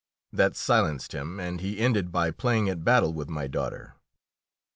That silenced him, and he ended by playing at battle with my daughter.